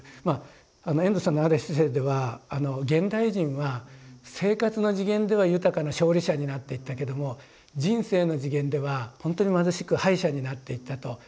まあ遠藤さんのあるエッセーでは現代人は生活の次元では豊かな勝利者になっていったけども人生の次元ではほんとに貧しく敗者になっていったと。